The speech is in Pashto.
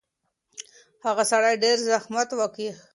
هغه سړي ډېر زحمت وکښی.